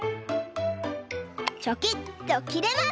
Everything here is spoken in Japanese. チョキッときれます！